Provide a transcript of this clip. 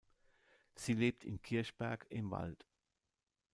Sie lebt in Kirchberg im Wald.